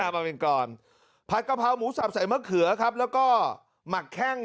มาเป็นกรอนผัดกะเพราหมูสับใส่มะเขือครับแล้วก็หมักแข้ง